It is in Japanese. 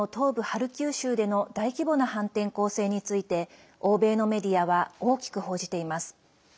ハルキウ州での大規模な反転攻勢について欧米のメディアは大きく報じています。